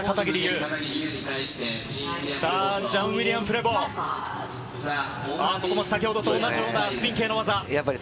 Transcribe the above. ジャン・ウイリアム・プレボー、ここも先ほどと同じようなスピン系の技。